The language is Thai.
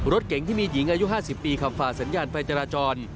รถเก๋งที่มีหญิงอายุ๕๐ปีขับฝ่าสัญญาณไฟจราจร